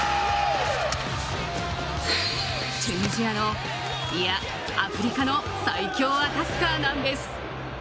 チュニジアの、いやアフリカの最強アタッカーなんです。